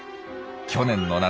去年の夏